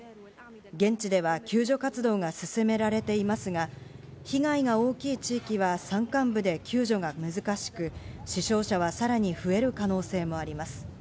現地では、救助活動が進められていますが、被害が大きい地域は山間部で救助が難しく、死傷者はさらに増える可能性もあります。